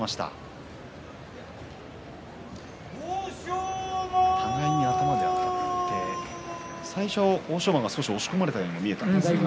立ち合い頭であたって最初、欧勝馬が少し押し込まれたように見えました。